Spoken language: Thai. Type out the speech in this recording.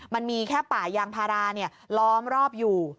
มันมีแค่ป่ายางพาราล้อมรอบอยู่